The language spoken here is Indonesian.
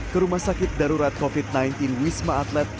ke rumah sakit darurat covid sembilan belas wisma atlet